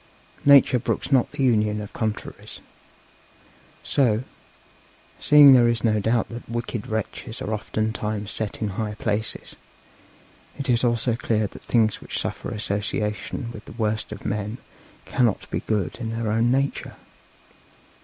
Nature brooks not the union of contraries. So, seeing there is no doubt that wicked wretches are oftentimes set in high places, it is also clear that things which suffer association with the worst of men cannot be good in their own nature.